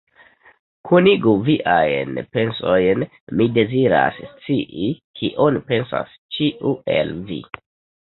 Konigu viajn pensojn, mi deziras scii, kion pensas ĉiu el vi!